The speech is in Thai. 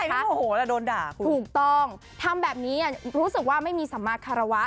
ใครไม่โมโหแล้วโดนด่าถูกต้องทำแบบนี้อ่ะรู้สึกว่าไม่มีสามารถคาระวะ